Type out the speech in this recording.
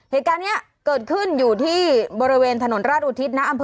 เหตุการณ์นี้เกิดขึ้นอยู่ที่บริเวณถนนราชอุทิศนะ